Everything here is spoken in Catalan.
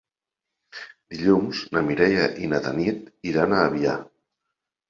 Dilluns na Mireia i na Tanit iran a Avià.